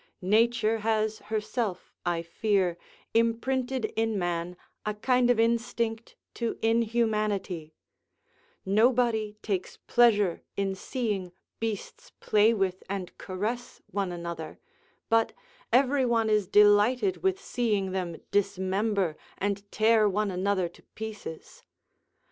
Nature has herself, I fear, imprinted in man a kind of instinct to inhumanity; nobody takes pleasure in seeing beasts play with and caress one another, but every one is delighted with seeing them dismember, and tear one another to pieces.